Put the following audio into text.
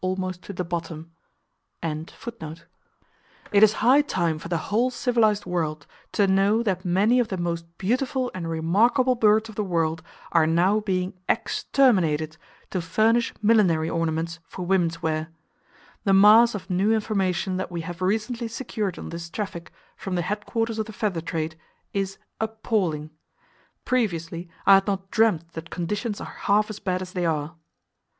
[Page 114] CHAPTER XIII EXTERMINATION OF BIRDS FOR WOMEN'S HATS [D] It is high time for the whole civilized world to know that many of the most beautiful and remarkable birds of the world are now being exterminated to furnish millinery ornaments for women's wear. The mass of new information that we have recently secured on this traffic from the headquarters of the feather trade is appalling. Previously, I had not dreamed that conditions are half as bad as they are.